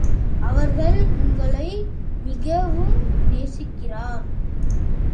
அவர்கள் உங்களை மிகவும் நேசிக்கிறார்.